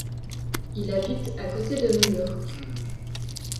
Il habite à côté de New York.